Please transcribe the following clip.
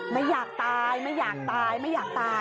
ไม่อยากตายไม่อยากตายไม่อยากตาย